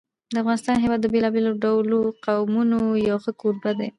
د افغانستان هېواد د بېلابېلو ډولو قومونو یو ښه کوربه دی.